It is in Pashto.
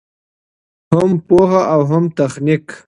هم پوهه او هم تخنیک.